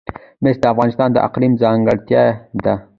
مس د افغانستان د اقلیم ځانګړتیا ده.